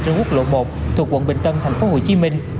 trên quốc lộ một thuộc quận bình tân thành phố hồ chí minh